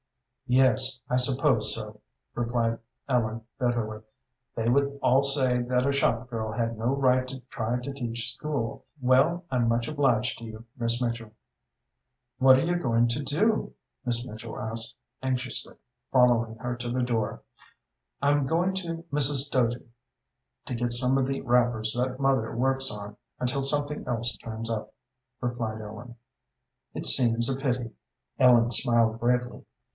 "Yes, I supposed so," replied Ellen, bitterly. "They would all say that a shop girl had no right to try to teach school. Well, I'm much obliged to you, Miss Mitchell." "What are you going to do?" Miss Mitchell asked, anxiously, following her to the door. "I'm going to Mrs. Doty, to get some of the wrappers that mother works on, until something else turns up," replied Ellen. "It seems a pity." Ellen smiled bravely.